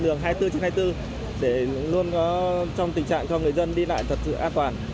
đường hai mươi bốn trên hai mươi bốn để luôn có trong tình trạng cho người dân đi lại thật sự an toàn